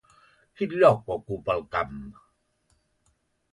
Quin lloc ocupa al camp?